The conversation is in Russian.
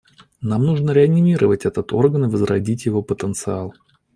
Нам нужно реанимировать этот орган и возродить его потенциал.